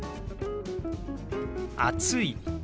「暑い」。